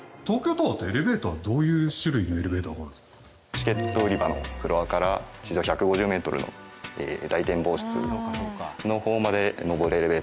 チケット売り場のフロアから地上１５０メートルの大展望室の方まで昇るエレベーター。